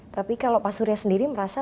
tapi kalau pak surya sendiri merasa